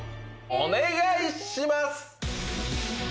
お願いします。